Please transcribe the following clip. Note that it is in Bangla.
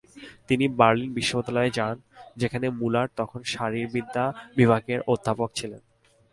তিনি বার্লিন বিশ্ববিদ্যালয়ে যান, যেখানে মুলার তখন শারীরবিদ্যা বিভাগের অধ্যাপক ছিলেন।